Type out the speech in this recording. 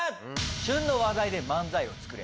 旬の話題で漫才を作れ！